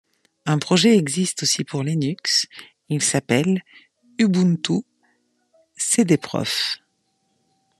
Un projet existe aussi pour Linux, il s'appelle Ubuntu-cdprof.